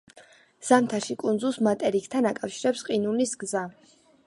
ზამთარში კუნძულს მატერიკთან აკავშირებს ყინულის გზა.